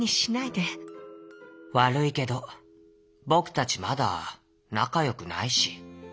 「わるいけどぼくたちまだなかよくないし」。